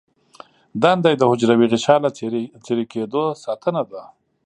دنده یې د حجروي غشا له څیرې کیدو ساتنه ده.